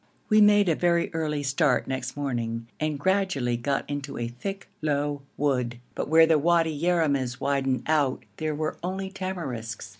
We made a very early start next morning, and gradually got into a thick low wood, but where the Wadi Yeramis widened out there were only tamarisks.